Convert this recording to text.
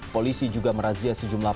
polisi juga merazia sejumlah